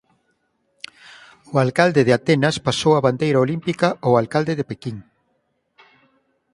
O alcalde de Atenas pasou a bandeira olímpica ao alcalde de Pequín.